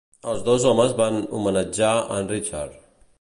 Els dos homes van homenatjar en Richard.